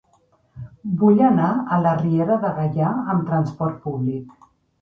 Vull anar a la Riera de Gaià amb trasport públic.